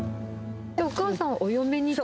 お母さんはお嫁に来て？